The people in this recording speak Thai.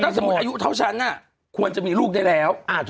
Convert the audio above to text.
สมมุติอายุเท่าฉันควรจะมีลูกได้แล้ว